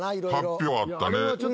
発表あったね。